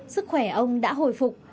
sức khỏe ông đã hồi phục